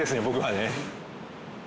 僕はね。